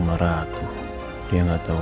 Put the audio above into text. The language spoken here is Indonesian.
maharatu dia nggak tahu